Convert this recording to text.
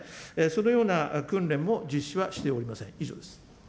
そのような訓練も実施はしておりません。